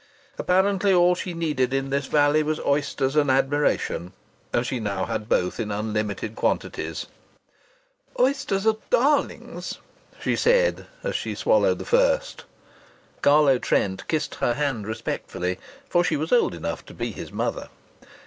Apparently, all she needed in this valley was oysters and admiration, and she now had both in unlimited quantities. "Oysters are darlings," she said, as she swallowed the first. Carlo Trent kissed her hand, respectfully for she was old enough to be his mother.